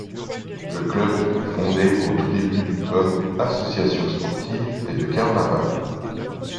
Le club fut fondé au tout début du comme Association sportive et de carnaval.